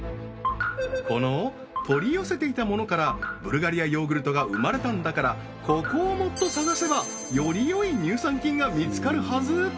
この取り寄せていたものからブルガリアヨーグルトが生まれたんだからここをもっと探せばより良い乳酸菌が見つかるはず！